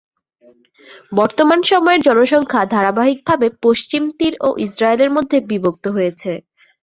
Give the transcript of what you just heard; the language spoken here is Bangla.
বর্তমান সময়ের জনসংখ্যা ধারাবাহিকভাবে পশ্চিম তীর ও ইসরায়েলের মধ্যে বিভক্ত হয়েছে।